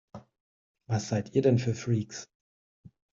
Was seid ihr denn für Freaks?